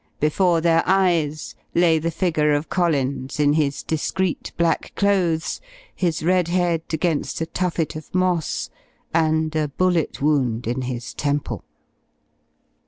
Before their eyes lay the figure of Collins, in his discreet black clothes, his red head against a tuffet of moss, and a bullet wound in his temple.